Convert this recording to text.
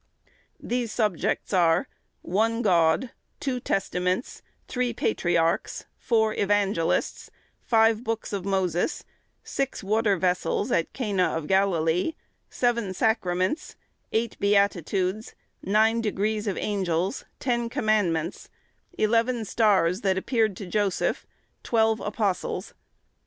These subjects are,—one God; two Testaments; three Patriarchs; four Evangelists; five books of Moses; six water vessels at Cana of Galilee; seven Sacraments; eight Beatitudes; nine degrees of Angels; ten Commandments; eleven stars that appeared to Joseph; twelve Apostles.